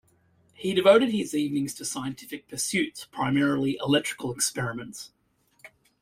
He devoted his evenings to scientific pursuits-primarily electrical experiments.